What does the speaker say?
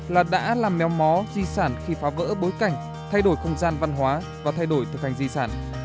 là đã làm méo mó di sản khi phá vỡ bối cảnh thay đổi không gian văn hóa và thay đổi thực hành di sản